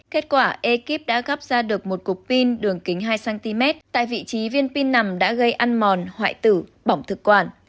kết quả ekip đã gắp ra được một cục pin đường kính hai cm tại vị trí viên pin nằm đã gây ăn mòn hoại tử bỏng thực quản